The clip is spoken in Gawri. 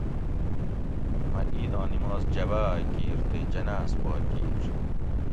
مہۤ عیداں نِماز جباۤ اۤ کِیر تے جناۤز پا کِیر